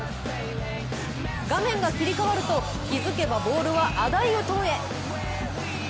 画面が切り替わると、気づけばボールはアダイウトンへ。